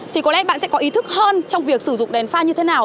thì có lẽ bạn sẽ có ý thức hơn trong việc sử dụng đèn fin như thế nào